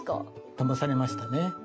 だまされましたね。